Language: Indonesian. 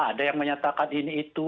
ada yang menyatakan ini itu